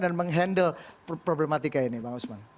dan menghandle problematika ini bang usman